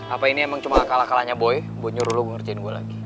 apa ini emang cuma akal akalanya boy buat nyuruh lo ngerjain gua lagi